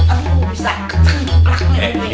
aduh bisa keteng keteng ya ini